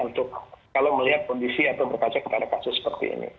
untuk kalau melihat kondisi atau berpacat kita ada kasus seperti ini